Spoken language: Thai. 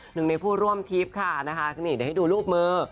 หนึ่งในผู้ร่วมทริปค่ะนะคะนี่เดี๋ยวให้ดูรูปมือ